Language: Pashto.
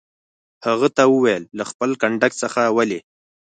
هغه ته وویل: له خپل کنډک څخه ولې.